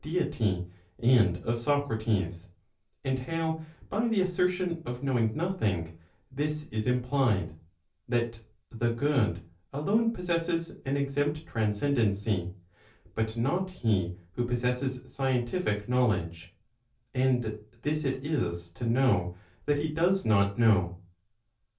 deity and of Socrates, and how by the assertion of knowing nothing this is implied, that the good alone possesses an exempt transcendency,' but not he who possesses scientific knowledge; and this it is to know that he does not know.